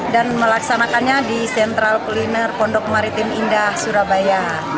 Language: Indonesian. dan melaksanakannya di sentral kuliner pondok maritim indah surabaya